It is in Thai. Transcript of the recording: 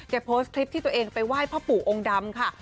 โพสต์คลิปที่ตัวเองไปไหว้พ่อปู่องค์ดำค่ะ